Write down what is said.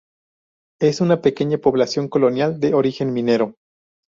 Es una pequeña población colonial de origen minero.